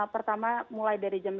pertama mulai dari jam delapan pagi